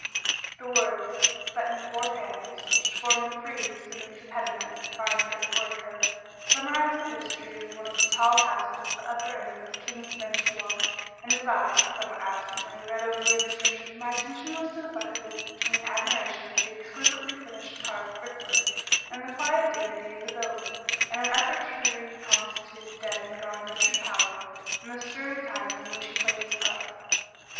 The words, set in four panels, which formed a frieze beneath the pediment of a fine brick portico, summarised the history of one of the tall houses at the upper end of King's Bench Walk and as I, somewhat absently, read over the inscription, my attention was divided between admiration of the exquisitely finished carved brickwork and the quiet dignity of the building, and an effort to reconstitute the dead and gone Richard Powell, and the stirring times in which he played his part.